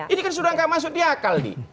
ini kan sudah tidak masuk di akal nih